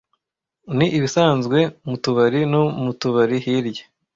Ni ibisanzwe mu tubari no mu tubari hirya